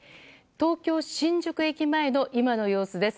東京・新宿駅前の今の様子です。